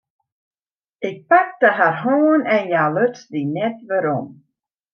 Ik pakte har hân en hja luts dy net werom.